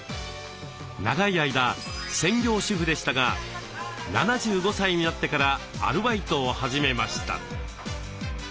長い間専業主婦でしたが７５歳になってからアルバイトを始めました。